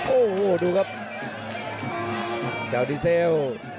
โอ้โหดูครับเจ้าดีเซล